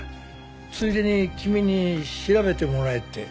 ついでに君に調べてもらえって。